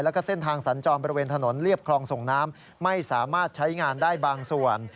แล้วก็เส้นทางสัญจรบริเวณถนนเรียบคลองส่งน้ำไม่สามารถใช้งานได้บางส่วน